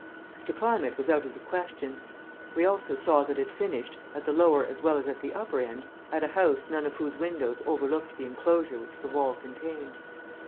To climb it was out of the question. We also saw that it finished, at the lower as well as at the upper end, at a house none of whose windows overlooked the enclosure which the wall contained.